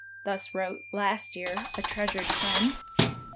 " Thus wrote, last year, a treasured friend.